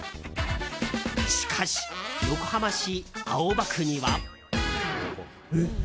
しかし、横浜市青葉区には。